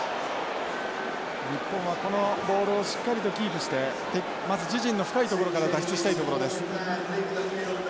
日本はこのボールをしっかりとキープしてまず自陣の深い所から脱出したいところです。